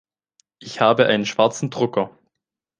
Ich habe einen schwarzen Drucker.